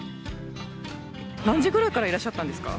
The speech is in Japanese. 何時ぐらいからいらっしゃったんですか。